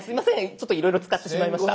ちょっといろいろ使ってしまいました。